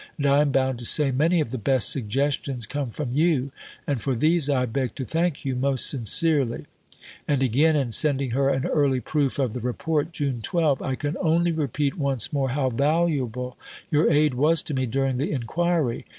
And I am bound to say many of the best suggestions come from you, and for these I beg to thank you most sincerely"; and, again, in sending her an early proof of the Report (June 12): "I can only repeat once more how valuable your aid was to me during the enquiry.